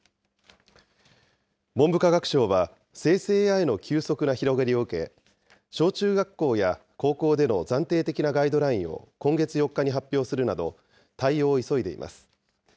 文部科学省は、生成ＡＩの急速な広がりを受け、小中学校や高校での暫定的なガイドラインを今月４日に発表するなど、対応を急いでいます。